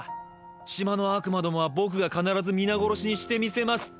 島の悪魔どもはボクが必ず皆殺しにしてみせますってな。